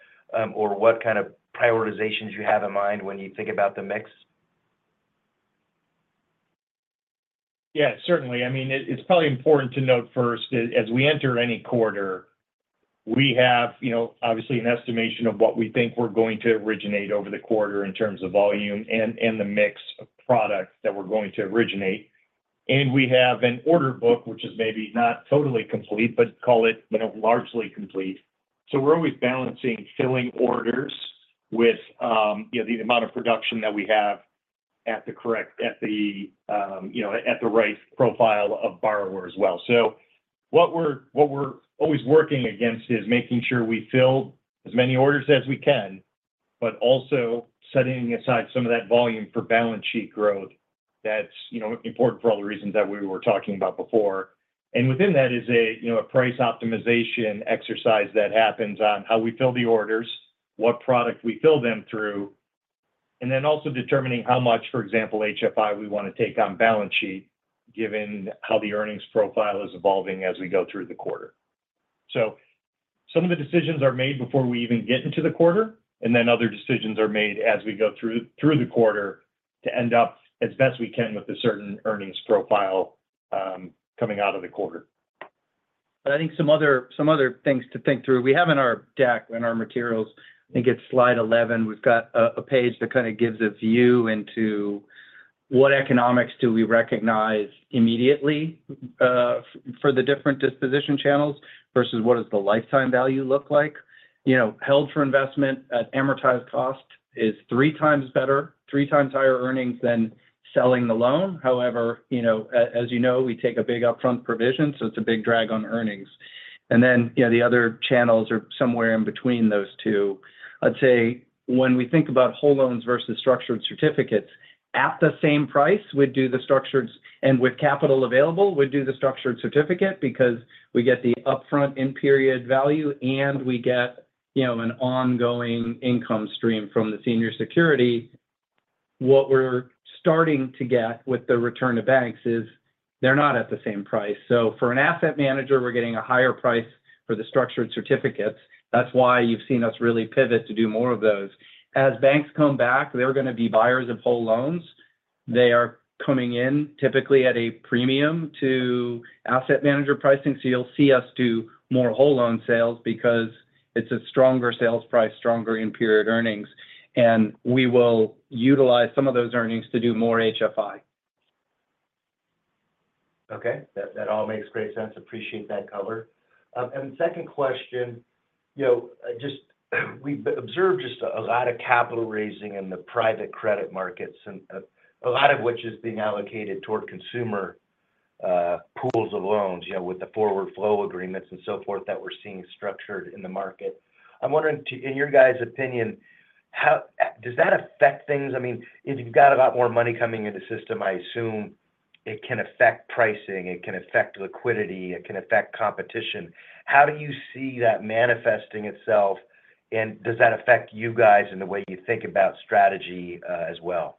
or what kind of prioritizations you have in mind when you think about the mix? Yeah, certainly. I mean, it's probably important to note first that as we enter any quarter, we have, you know, obviously an estimation of what we think we're going to originate over the quarter in terms of volume and the mix of products that we're going to originate. And we have an order book, which is maybe not totally complete, but call it, you know, largely complete. So we're always balancing filling orders with, you know, the amount of production that we have at the right profile of borrower as well. So what we're always working against is making sure we fill as many orders as we can, but also setting aside some of that volume for balance sheet growth. That's, you know, important for all the reasons that we were talking about before. Within that is a, you know, a price optimization exercise that happens on how we fill the orders, what product we fill them through, and then also determining how much, for example, HFI we want to take on balance sheet, given how the earnings profile is evolving as we go through the quarter. Some of the decisions are made before we even get into the quarter, and then other decisions are made as we go through the quarter to end up as best we can with a certain earnings profile coming out of the quarter. But I think some other things to think through. We have in our deck, in our materials, I think it's slide eleven, we've got a page that kind of gives a view into what economics do we recognize immediately for the different disposition channels versus what does the lifetime value look like? You know, held for investment at amortized cost is 3x better, 3x higher earnings than selling the loan. However, you know, as you know, we take a big upfront provision, so it's a big drag on earnings. And then, you know, the other channels are somewhere in between those two. I'd say when we think about whole loans versus Structured Certificates-... At the same price, we'd do the Structured, and with capital available, we'd do the Structured Certificate because we get the upfront in-period value, and we get, you know, an ongoing income stream from the senior security. What we're starting to get with the return to banks is they're not at the same price. So for an asset manager, we're getting a higher price for the Structured Certificates. That's why you've seen us really pivot to do more of those. As banks come back, they're going to be buyers of whole loans. They are coming in typically at a premium to asset manager pricing, so you'll see us do more whole loan sales because it's a stronger sales price, stronger in period earnings, and we will utilize some of those earnings to do more HFI. Okay. That all makes great sense. Appreciate that color. And the second question, you know, just, we've observed just a lot of capital raising in the private credit markets and, a lot of which is being allocated toward consumer, pools of loans, you know, with the forward flow agreements and so forth, that we're seeing structured in the market. I'm wondering in your guys' opinion, how... Does that affect things? I mean, if you've got a lot more money coming into the system, I assume it can affect pricing, it can affect liquidity, it can affect competition. How do you see that manifesting itself, and does that affect you guys in the way you think about strategy, as well?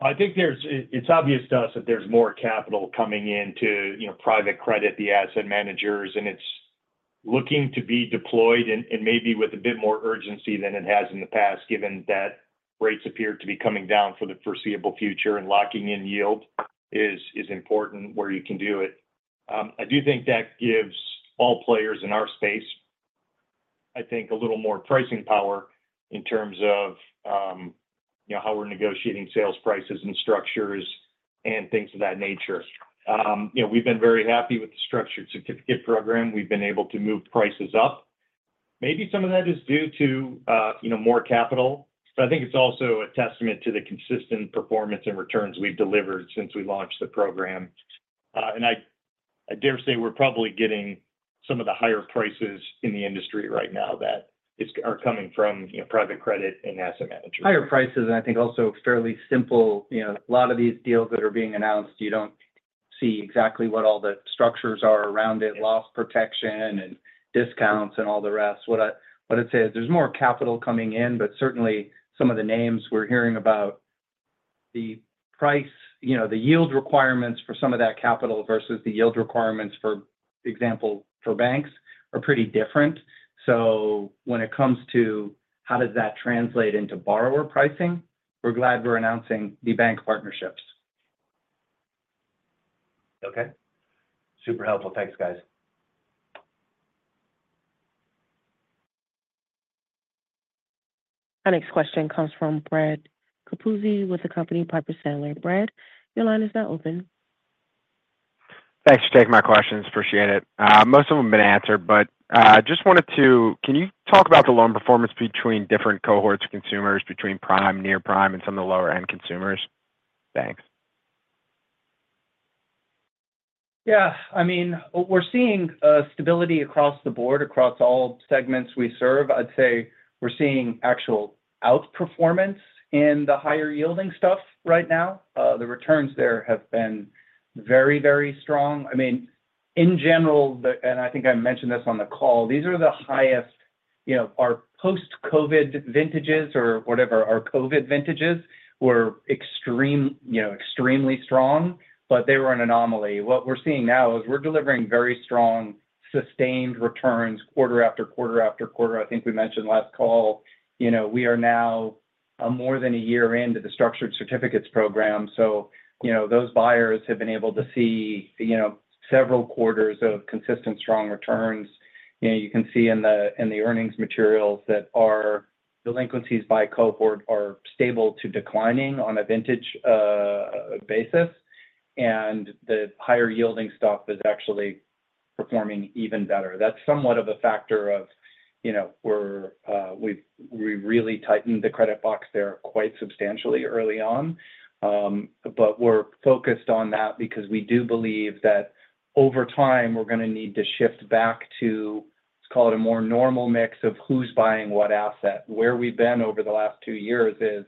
I think it's obvious to us that there's more capital coming in to, you know, private credit, the asset managers, and it's looking to be deployed and maybe with a bit more urgency than it has in the past, given that rates appear to be coming down for the foreseeable future, and locking in yield is important where you can do it. I do think that gives all players in our space, I think, a little more pricing power in terms of, you know, how we're negotiating sales prices and structures and things of that nature. You know, we've been very happy with the Structured Certificate program. We've been able to move prices up. Maybe some of that is due to, you know, more capital, but I think it's also a testament to the consistent performance and returns we've delivered since we launched the program. And I dare say we're probably getting some of the higher prices in the industry right now that are coming from, you know, private credit and asset managers. Higher prices, and I think also fairly simple. You know, a lot of these deals that are being announced, you don't see exactly what all the structures are around it, loss protection and discounts and all the rest. What I'd say is, there's more capital coming in, but certainly, some of the names we're hearing about, the price, you know, the yield requirements for some of that capital versus the yield requirements, for example, for banks, are pretty different. So when it comes to how does that translate into borrower pricing, we're glad we're announcing the bank partnerships. Okay. Super helpful. Thanks, guys. Our next question comes from Brad Capuzzi, with the company Piper Sandler. Brad, your line is now open. Thanks for taking my questions. Appreciate it. Most of them have been answered, but, just wanted to. Can you talk about the loan performance between different cohorts of consumers, between prime, near prime, and some of the lower-end consumers? Thanks. Yeah, I mean, we're seeing stability across the board, across all segments we serve. I'd say we're seeing actual outperformance in the higher-yielding stuff right now. The returns there have been very, very strong. I mean, in general, and I think I mentioned this on the call, these are the highest, you know, our post-COVID vintages or whatever. Our COVID vintages were extreme, you know, extremely strong, but they were an anomaly. What we're seeing now is we're delivering very strong, sustained returns quarter after quarter after quarter. I think we mentioned last call, you know, we are now more than a year into the Structured Certificates program, so you know, those buyers have been able to see, you know, several quarters of consistent, strong returns. You know, you can see in the earnings materials that our delinquencies by cohort are stable to declining on a vintage basis, and the higher-yielding stuff is actually performing even better. That's somewhat of a factor of, you know, we've really tightened the credit box there quite substantially early on. But we're focused on that because we do believe that over time, we're going to need to shift back to, let's call it a more normal mix of who's buying what asset. Where we've been over the last two years is,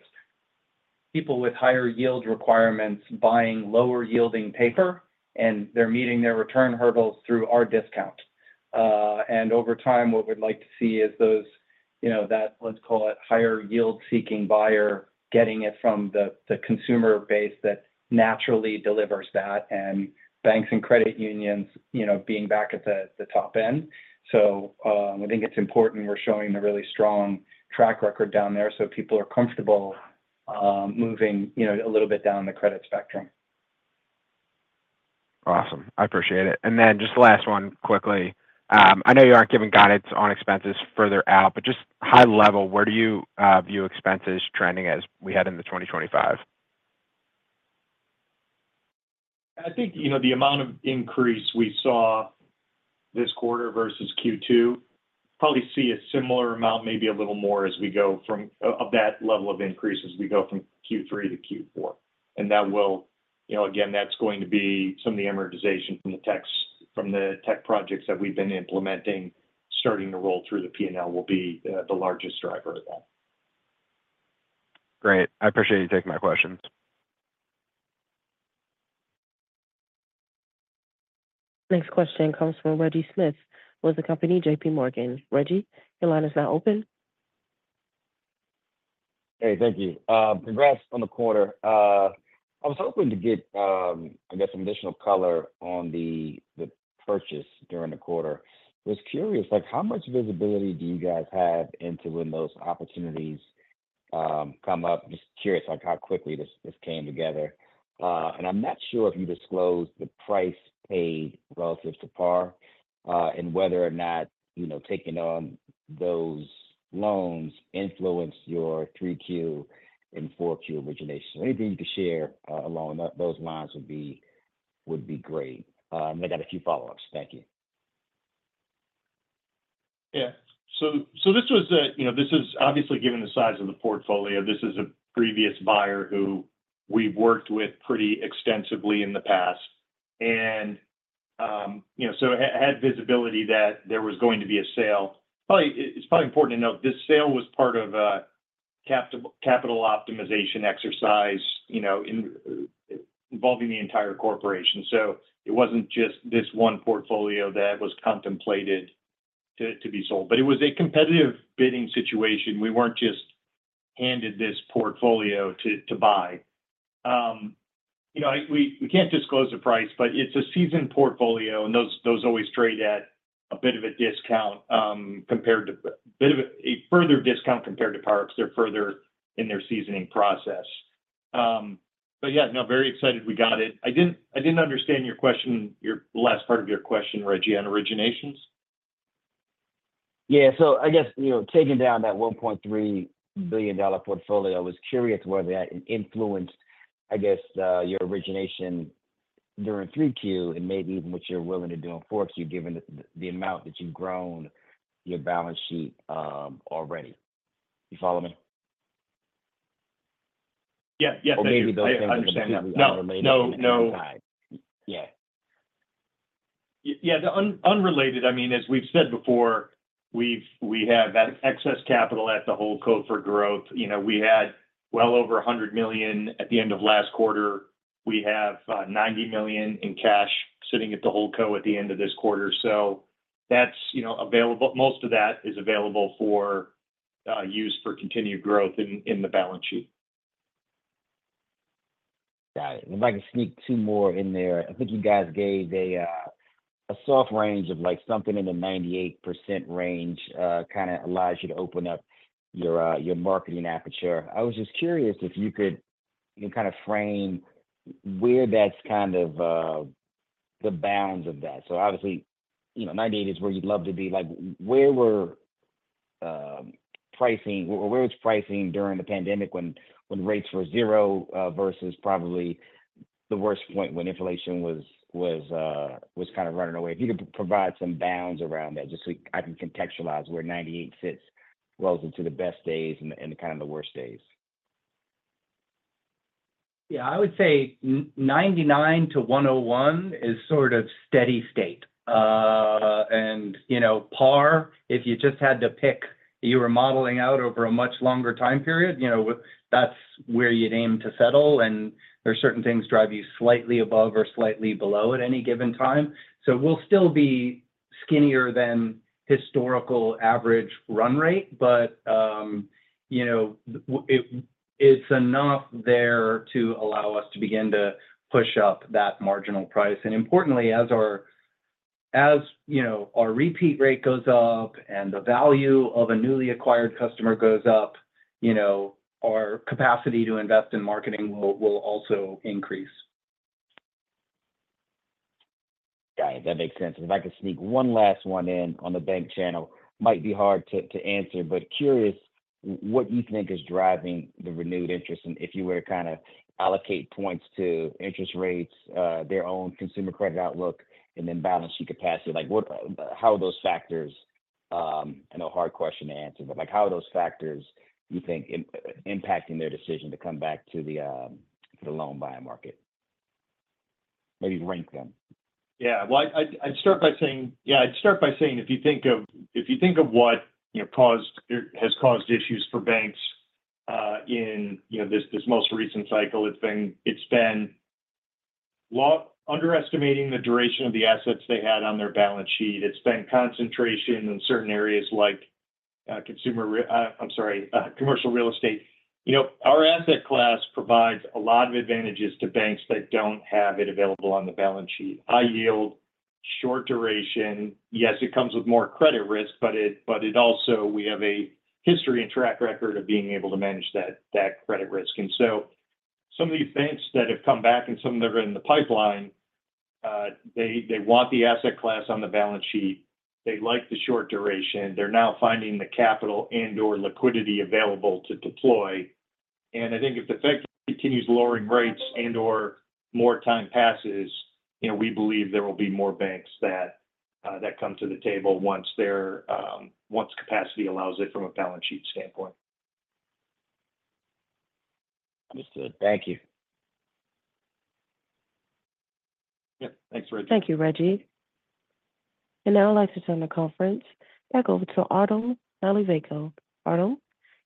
people with higher yield requirements buying lower-yielding paper, and they're meeting their return hurdles through our discount. And over time, what we'd like to see is those, you know, that, let's call it, higher yield-seeking buyer, getting it from the consumer base that naturally delivers that, and banks and credit unions, you know, being back at the top end. So, I think it's important we're showing a really strong track record down there, so people are comfortable moving, you know, a little bit down the credit spectrum. Awesome. I appreciate it. And then just the last one quickly. I know you aren't giving guidance on expenses further out, but just high level, where do you view expenses trending as we head into 2025? I think, you know, the amount of increase we saw this quarter versus Q2, probably see a similar amount, maybe a little more, as we go from of that level of increase as we go from Q3 to Q4. And that will. You know, again, that's going to be some of the amortization from the tech projects that we've been implementing, starting to roll through the P&L will be the largest driver of that. Great. I appreciate you taking my questions. Next question comes from Reggie Smith with the company JPMorgan. Reggie, your line is now open. Hey, thank you. Congrats on the quarter. I was hoping to get, I guess, some additional color on the purchase during the quarter. Was curious, like, how much visibility do you guys have into when those opportunities come up? Just curious, like, how quickly this came together. And I'm not sure if you disclosed the price paid relative to par, and whether or not, you know, taking on those loans influenced your 3Q and 4Q originations. So anything you could share along those lines would be great. And I got a few follow-ups. Thank you. Yeah. This was, you know, this is obviously, given the size of the portfolio, a previous buyer who we've worked with pretty extensively in the past. And you know, had visibility that there was going to be a sale. It's probably important to note, this sale was part of a capital optimization exercise, you know, involving the entire corporation. So it wasn't just this one portfolio that was contemplated to be sold, but it was a competitive bidding situation. We weren't just handed this portfolio to buy. You know, we can't disclose the price, but it's a seasoned portfolio, and those always trade at a bit of a discount, compared to a bit of a further discount compared to par because they're further in their seasoning process. But yeah, no, very excited we got it. I didn't understand your question, your last part of your question, Reggie, on originations? Yeah. So I guess, you know, taking down that $1.3 billion portfolio, I was curious whether that influenced, I guess, your origination during 3Q and maybe even what you're willing to do in 4Q, given the, the amount that you've grown your balance sheet, already. You follow me? Yeah. Yes, I do. Or maybe those things- I understand, yeah. Are completely unrelated in the outside. No, no. Yeah. Yeah, unrelated, I mean, as we've said before, we have that excess capital at the holdco for growth. You know, we had well over $100 million at the end of last quarter. We have $90 million in cash sitting at the holdco at the end of this quarter. So that's, you know, available. Most of that is available for use for continued growth in the balance sheet. Got it. If I could sneak two more in there. I think you guys gave a soft range of, like, something in the 98% range, kinda allows you to open up your marketing aperture. I was just curious if you could, you know, kind of frame where that's kind of the bounds of that. So obviously, you know, 98% is where you'd love to be. Like, where were pricing or where was pricing during the pandemic when rates were zero versus probably the worst point when inflation was kind of running away? If you could provide some bounds around that, just so I can contextualize where 98% sits relative to the best days and the kind of the worst days. Yeah, I would say 99%-101% is sort of steady state. And, you know, par, if you just had to pick, you were modeling out over a much longer time period, you know, that's where you'd aim to settle, and there are certain things drive you slightly above or slightly below at any given time. So we'll still be skinnier than historical average run rate, but, you know, it's enough there to allow us to begin to push up that marginal price. And importantly, as, you know, our repeat rate goes up and the value of a newly acquired customer goes up, you know, our capacity to invest in marketing will also increase. Got it. That makes sense. If I could sneak one last one in on the bank channel, might be hard to answer, but curious what you think is driving the renewed interest, and if you were to kinda allocate points to interest rates, their own consumer credit outlook, and then balance sheet capacity. Like, how are those factors. I know a hard question to answer, but, like, how are those factors, you think, impacting their decision to come back to the, to the loan buyer market? Maybe rank them. Yeah. Well, I'd start by saying, if you think of what, you know, has caused issues for banks, in, you know, this most recent cycle, it's been underestimating the duration of the assets they had on their balance sheet. It's been concentration in certain areas like, I'm sorry, commercial real estate. You know, our asset class provides a lot of advantages to banks that don't have it available on the balance sheet: high yield, short duration. Yes, it comes with more credit risk, but it also, we have a history and track record of being able to manage that credit risk. And so some of these banks that have come back and some that are in the pipeline, they want the asset class on the balance sheet. They like the short duration. They're now finding the capital and/or liquidity available to deploy. And I think if the Fed continues lowering rates and/or more time passes, you know, we believe there will be more banks that come to the table once their capacity allows it from a balance sheet standpoint.... Understood. Thank you. Yeah, thanks, Reggie. Thank you, Reggie. And now I'd like to turn the conference back over to Artem Nalivayko. Artem,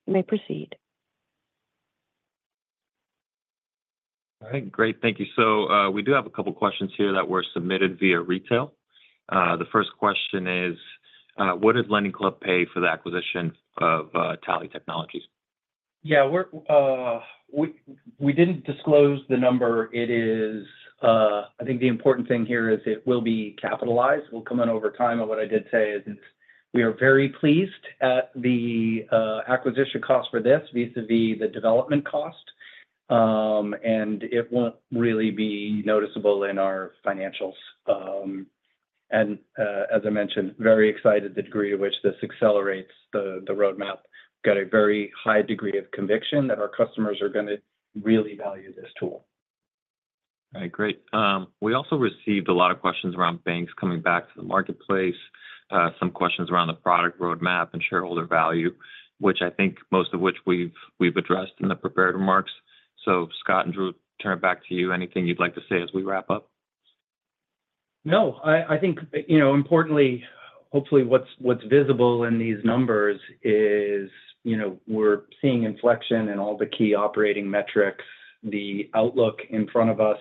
you may proceed. All right, great. Thank you. So, we do have a couple questions here that were submitted via retail. The first question is, what did LendingClub pay for the acquisition of, Tally Technologies? Yeah, we're, we didn't disclose the number. It is, I think the important thing here is it will be capitalized. We'll come in over time, and what I did say is, we are very pleased at the acquisition cost for this vis-a-vis the development cost. And it won't really be noticeable in our financials. And, as I mentioned, very excited the degree to which this accelerates the roadmap. Got a very high degree of conviction that our customers are gonna really value this tool. All right, great. We also received a lot of questions around banks coming back to the marketplace, some questions around the product roadmap and shareholder value, which I think most of which we've addressed in the prepared remarks. So Scott and Drew, turn it back to you. Anything you'd like to say as we wrap up? No, I think, you know, importantly, hopefully what's visible in these numbers is, you know, we're seeing inflection in all the key operating metrics, the outlook in front of us.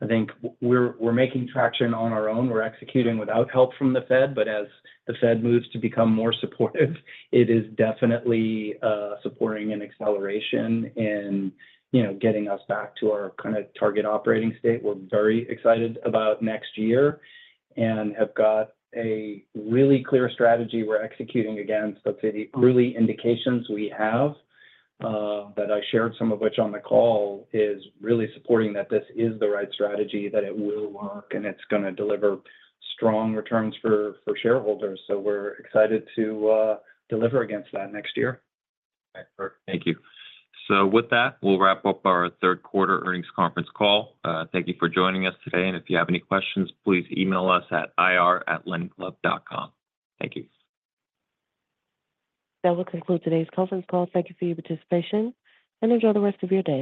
I think we're making traction on our own. We're executing without help from the Fed, but as the Fed moves to become more supportive, it is definitely supporting an acceleration in, you know, getting us back to our kind of target operating state. We're very excited about next year and have got a really clear strategy we're executing against. But the early indications we have that I shared some of which on the call is really supporting that this is the right strategy, that it will work, and it's gonna deliver strong returns for shareholders. So we're excited to deliver against that next year. Okay, perfect. Thank you. So with that, we'll wrap up our Third Quarter Earnings Conference Call. Thank you for joining us today, and if you have any questions, please email us at IR@lendingclub.com. Thank you. That will conclude today's conference call. Thank you for your participation, and enjoy the rest of your day.